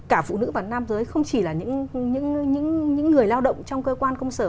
cả phụ nữ và nam giới không chỉ là những người lao động trong cơ quan công sở